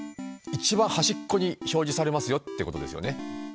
一番端っこに表示されますよってことですよねは。